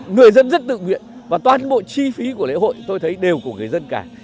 người dân rất tự nguyện và toàn bộ chi phí của lễ hội tôi thấy đều của người dân cả